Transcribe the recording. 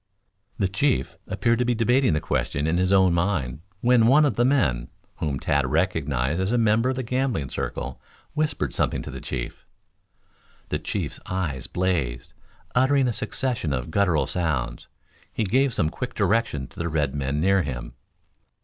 The chief appeared to be debating the question in his own mind, when one of the men, whom Tad recognized as a member of the gambling circle, whispered something to the chief. The chief's eyes blazed. Uttering a succession of gutteral sounds, he gave some quick directions to the red men near him.